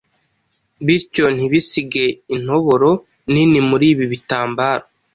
bityo ntibisige intoboro nini muri ibi bitambaro.